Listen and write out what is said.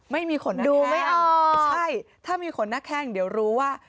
ไม่มีขนดูไม่เอาใช่ถ้ามีขนหน้าแข้งเดี๋ยวรู้ว่า